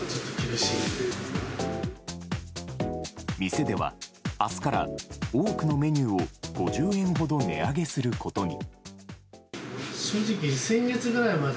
店では明日から多くのメニューを５０円ほど値上げすることに。